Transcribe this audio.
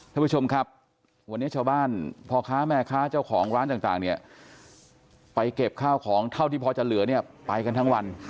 ท่านผู้ชมครับวันนี้ชาวบ้านพ่อค้าแม่ค้าเจ้าของร้านต่างเนี่ยไปเก็บข้าวของเท่าที่พอจะเหลือเนี่ยไปกันทั้งวัน